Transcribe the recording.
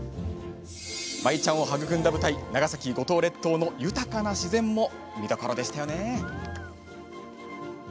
舞ちゃんを育んだ舞台長崎・五島列島の豊かな自然も見どころでしたよね。